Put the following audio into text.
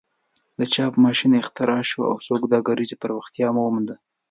د چاپ ماشین اختراع شو او سوداګري پراختیا ومونده.